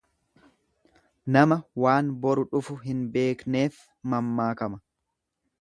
Nama waan boru dhufu hin beekneef mammaakama.